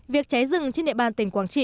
việc cháy rừng trên địa bàn tỉnh quảng trị